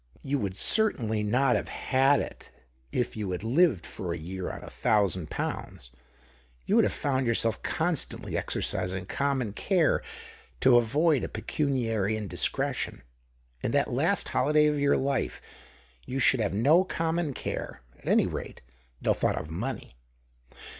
You would certainly not licave had it if you had lived for a year on a thousand pounds ; you would have found yourself con stantly exercising common care to avoid a pecuniary indiscretion. In that last holiday of your life, you should have no common care — at any rate, no thought of money."